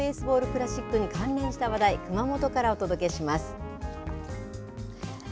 クラシックに関連した話題、熊本からお届けします。